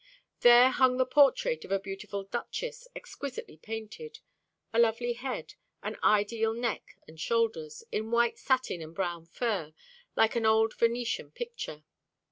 There hung the portrait of a beautiful duchess, exquisitely painted a lovely head, an ideal neck and shoulders, in white satin and brown fur, like an old Venetian picture.